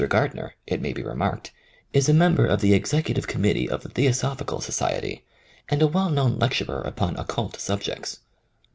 Gardner, it may be remarked, is a member of the Executive Committee of the Theosophical Society, and a well known lecturer upon occult subjects.